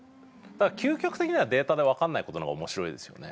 究極的にはデータで分かんないことの方が面白いですよね。